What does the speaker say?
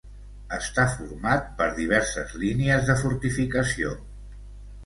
Està format per diverses línies de fortificació.